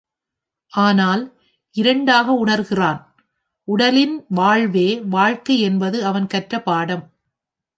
ஆனால், இரண்டாக உணர்கிறான், உடலின் வாழ்வே வாழ்க்கை என்பது அவன் கற்ற பாடம்.